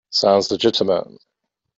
Sounds legitimate.